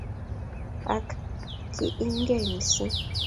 Ak ki-imige mising',